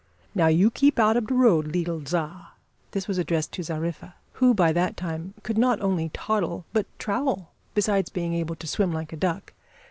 "Now you keep out ob de road, leetil Za." This was addressed to Zariffa, who, by that time, could not only toddle but trowel, besides being able to swim like a duck.